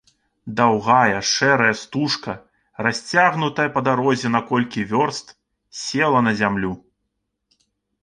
Даўгая шэрая стужка, расцягнутая па дарозе на колькі вёрст, села на зямлю.